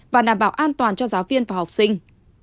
và đảm bảo an toàn cho giáo viên và học sinh